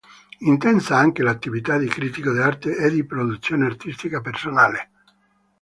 Intensa anche l'attività di critico d'arte e di produzione artistica personale.